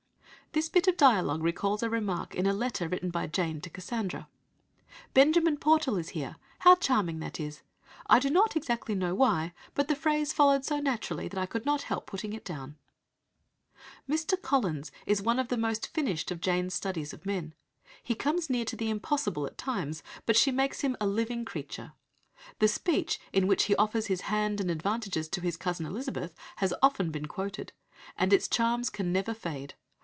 '" This bit of dialogue recalls a remark in a letter written by Jane to Cassandra: "Benjamin Portal is here. How charming that is! I do not exactly know why, but the phrase followed so naturally that I could not help putting it down." Mr. Collins is one of the most finished of Jane's studies of men. He comes near to the impossible at times, but she makes him a living creature. The speech in which he offers his hand and advantages to his cousin Elizabeth has often been quoted, and its charms can never fade.